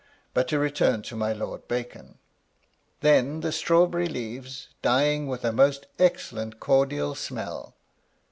But to return to my Lord Bacon: *Then the strawberry leaves, dying with a most excellent cordial smell.'